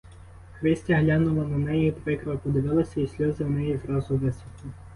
Христя глянула на неї, прикро подивилася, і сльози у неї зразу висохли.